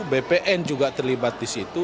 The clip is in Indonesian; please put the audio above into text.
bpn juga terlibat di situ